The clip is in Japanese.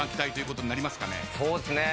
そうっすね。